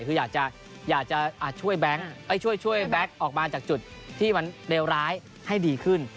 คืออยากจะช่วยแบงค์ช่วยแบ็คออกมาจากจุดที่มันเลวร้ายให้ดีขึ้น